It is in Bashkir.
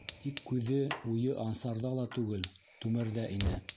Тик күҙе, уйы Ансарҙа ла түгел, түмәрҙә ине.